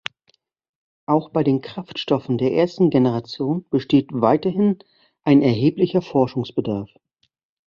Auch bei den Kraftstoffen der ersten Generation besteht weiterhin ein erheblicher Forschungsbedarf.